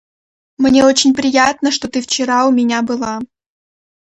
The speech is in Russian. Мне очень приятно, что ты вчера у меня была.